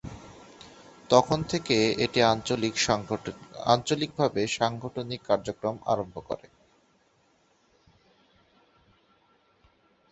তখন থেকে এটি আঞ্চলিকভাবে সাংগঠনিক কার্যক্রম আরম্ভ করে।